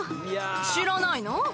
知らないの？